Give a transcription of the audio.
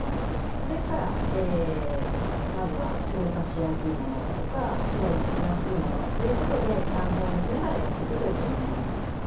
ですからまずは消化しやすいものとか調理しやすいものということで参考にしながらやっていくといいと思います。